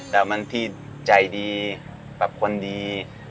แต่มันพี่ใจดีกับคนดี